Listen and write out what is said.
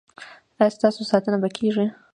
ایا ستاسو ساتنه به کیږي؟